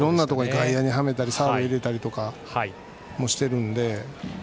外野にはめたりサードに入れたりもしているので。